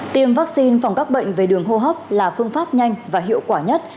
tiêm vaccine phòng các bệnh về đường hô hấp là phương pháp nhanh và hiệu quả nhất